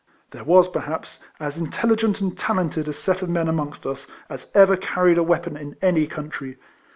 There was, perhaps, as intelligent and talented a set of men amongst us, as ever carried a weapon in any country.